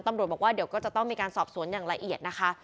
ตำรวจบอกว่าเดี๋ยวก็จะต้องมีการสอบสวนอย่างละเอียดนะคะ